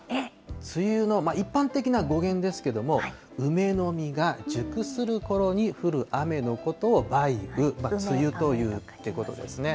梅雨の、一般的な語源ですけれども、梅の実が熟するころに降る雨のことをばいう、つゆというってことですね。